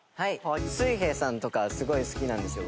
水兵さんとかすごい好きなんですよ